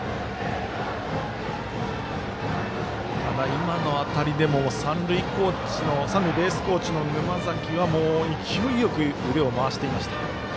今の当たりでも三塁ベースコーチの沼崎は勢いよく腕を回していました。